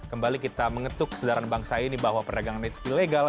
kembali kita mengetuk kesedaran bangsa ini bahwa perdagangan ilegal